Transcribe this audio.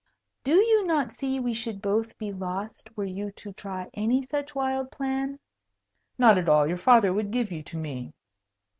Do you not see we should both be lost, were you to try any such wild plan?" "Not at all. Your father would give you to me."